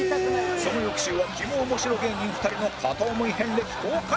その翌週はキモ面白芸人２人の片思い遍歴公開！